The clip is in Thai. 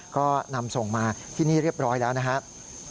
ก็นำส่งมาที่นี่เรียบร้อยแล้วนะครับ